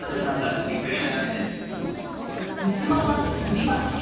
器は、すり鉢。